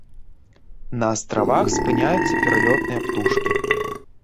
На астравах спыняюцца пералётныя птушкі.